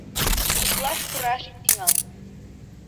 Коклаш пураш ит тӱҥал!